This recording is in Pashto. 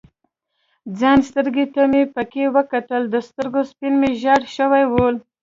ځان سترګو ته مې پکې وکتل، د سترګو سپین مې ژړ شوي ول.